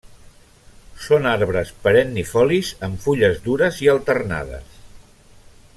Són arbres perennifolis amb fulles dures i alternades.